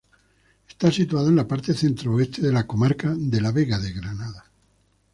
Está situada en la parte centro-oeste de la comarca de la Vega de Granada.